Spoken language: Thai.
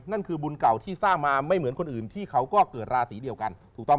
นั่นคือบุญเก่าที่สร้างมาไม่เหมือนคนอื่นที่เขาก็เกิดราศีเดียวกันถูกต้อง